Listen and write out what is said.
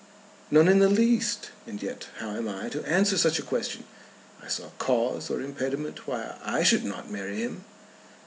"None in the least. And yet how am I to answer such a question? I saw cause or impediment why I should not marry him."